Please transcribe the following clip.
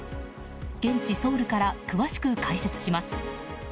現地ソウルから詳しく解説します。